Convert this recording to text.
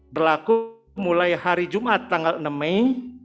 berlaku mulai hari jumat tanggal enam mei